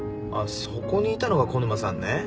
そこにいたのが小沼さんね。